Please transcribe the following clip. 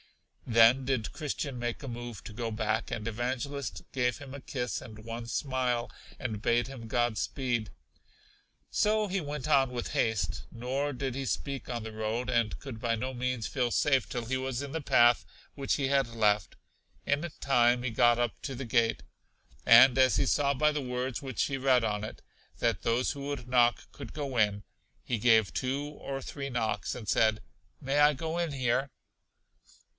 Then did Christian make a move to go back, and Evangelist gave him a kiss and one smile, and bade him God speed. So he went on with haste, nor did he speak on the road; and could by no means feel safe till he was in the path which he had left. In time, he got up to the gate. And as he saw by the words which he read on it, that those who would knock could go in, he gave two or three knocks, and said: May I go in here?